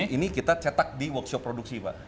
ini kita cetak di workshop produksi pak